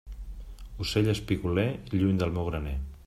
Ocell espigoler, lluny del meu graner.